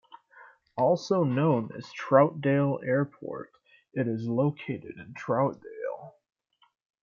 Also known as Troutdale Airport, it is located in Troutdale.